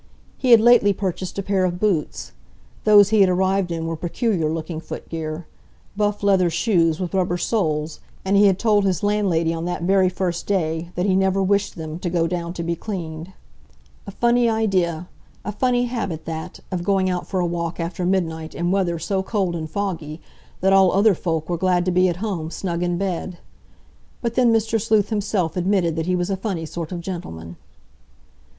He had lately purchased a pair of boots. Those he had arrived in were peculiar looking footgear, buff leather shoes with rubber soles, and he had told his landlady on that very first day that he never wished them to go down to be cleaned. A funny idea—a funny habit that, of going out for a walk after midnight in weather so cold and foggy that all other folk were glad to be at home, snug in bed. But then Mr. Sleuth himself admitted that he was a funny sort of gentleman.